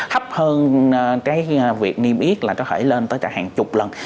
hấp hơn cái việc niêm yết là có thể lên tới hàng chục lần